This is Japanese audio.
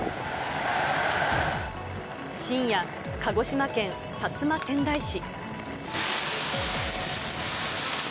深夜、鹿児島県薩摩川内市。